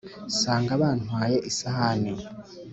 Nsanga bantwaye isahani